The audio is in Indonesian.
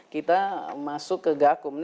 kita masuk ke gakum